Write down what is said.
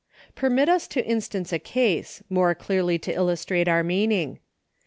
Permit us to instance a case, more clearly to illustrate our meaning.